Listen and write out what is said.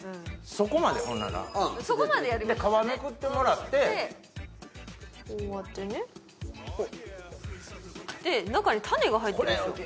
そこまでほんならそこまでやりますで皮めくってもらってこうやってねで中に種が入ってるんですよ